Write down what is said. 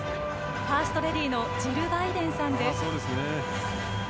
ファーストレディのジル・バイデンさんです。